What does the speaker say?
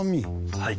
はい。